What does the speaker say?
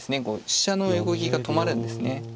飛車の横利きが止まるんですね。